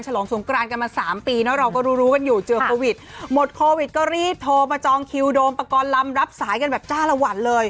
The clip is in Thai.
ลงสงกรานกันมาสามปีเนอะเราก็รู้รู้กันอยู่เจอโควิดหมดโควิดก็รีบโทรมาจองคิวโดมปกรณ์ลำรับสายกันแบบจ้าละวันเลย